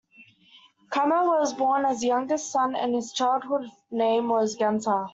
Kamo was born as the youngest son and his childhood name was Genta.